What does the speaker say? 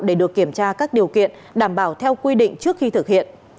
để được kiểm tra các điều kiện đảm bảo theo quy định trước khi thực hiện